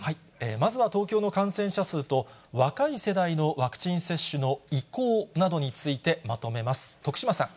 まずは東京の感染者数と、若い世代のワクチン接種の意向などについて、まとめます。